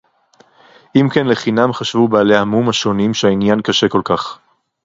אם כן לחינם חשבו בעלי המום השונים שהעניין קשה כל כך…